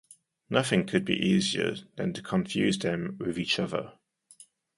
Nothing could be easier than to confuse them with each other.